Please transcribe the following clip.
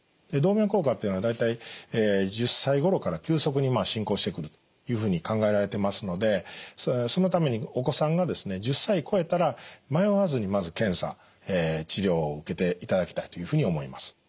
動脈硬化っていうのは大体１０歳頃から急速に進行してくるいうふうに考えられてますのでそのためにお子さんがですね１０歳超えたら迷わずにまず検査・治療を受けていただきたいというふうに思います。